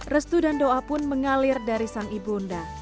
restu dan doa pun mengalir dari sang ibunda